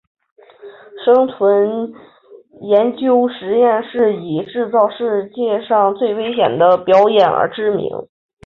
生存研究实验室以制造世界上最危险的表演而知名。